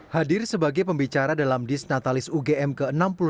hadir sebagai pembicara dalam disnatalis ugm ke enam puluh delapan